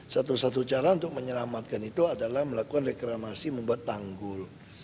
satu satu cara untuk menyelamatkan itu adalah melakukan reklamasi membuat tanggul